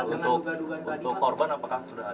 untuk korban apakah sudah ada